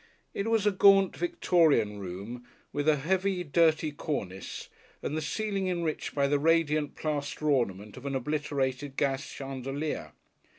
It was a gaunt Victorian room, with a heavy, dirty cornice, and the ceiling enriched by the radiant plaster ornament of an obliterated gas chandelier.